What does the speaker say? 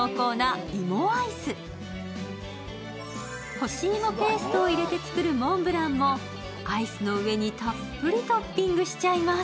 干し芋ペーストを入れるモンブランもアイスの上にたっぷりトッピングしちゃいます。